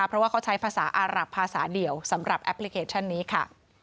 เพราะว่าเขาใช้ภาษาอารับภาษาเดียวสำหรับแอปพลิเคชันนี้ค่ะ